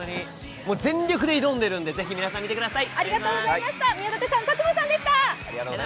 全力で挑んでいるんでぜひ皆さん見てください。